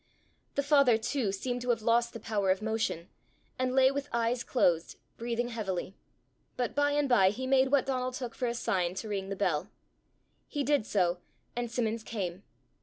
The father too seemed to have lost the power of motion, and lay with his eyes closed, breathing heavily. But by and by he made what Donal took for a sign to ring the bell. He did so, and Simmons came.